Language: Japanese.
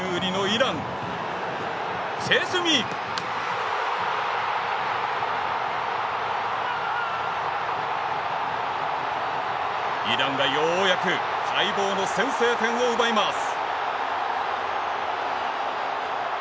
イランがようやく待望の先制点を奪います。